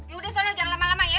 yaudah solo jangan lama lama ya